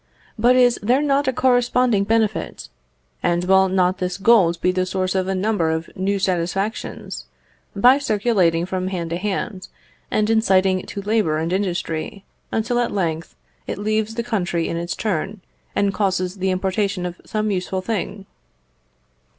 But is there not a corresponding benefit? And will not this gold be the source of a number of new satisfactions, by circulating from hand to hand, and inciting to labour and industry, until at length it leaves the country in its turn, and causes the importation of some useful thing?